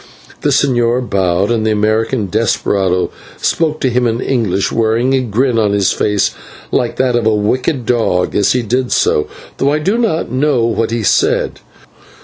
The señor bowed, and the American desperado spoke to him in English, wearing a grin on his face like that of a wicked dog as he did so, though I do not know what he said.